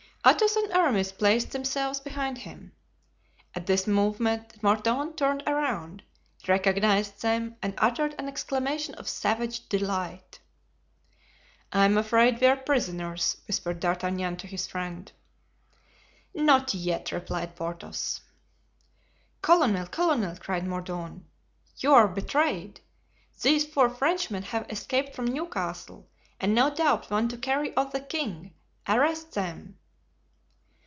Athos and Aramis placed themselves behind him. At this movement Mordaunt turned around, recognized them, and uttered an exclamation of savage delight. "I'm afraid we are prisoners," whispered D'Artagnan to his friend. "Not yet," replied Porthos. "Colonel, colonel," cried Mordaunt, "you are betrayed. These four Frenchmen have escaped from Newcastle, and no doubt want to carry off the king. Arrest them."